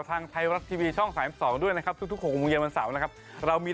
เติมไปเรื่องที่จริงขวดจบ๓เดือนนะที่ถ่าย๖เดือน